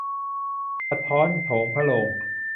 กระโถนท้องพระโรง